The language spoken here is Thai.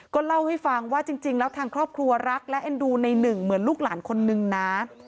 ก็เล่าให้ฟังว่าจริงแล้วทางครอบครัวรักและเอ็นดูในหนึ่งเหมือนลูกหลานคนนึงนะ